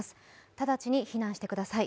直ちに避難してください。